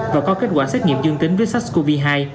và có kết quả xét nghiệm dương tính với sars cov hai